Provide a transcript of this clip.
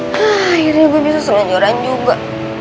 akhirnya gue bisa selanjaran juga